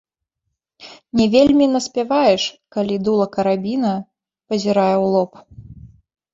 Не вельмі наспяваеш, калі дула карабіна пазірае ў лоб.